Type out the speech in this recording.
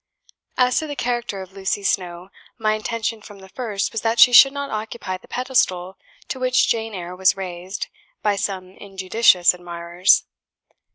...... "As to the character of 'Lucy Snowe,' my intention from the first was that she should not occupy the pedestal to which 'Jane Eyre' was raised by some injudicious admirers.